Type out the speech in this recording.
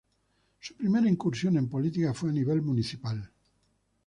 Su primera incursión en política fue a nivel municipal.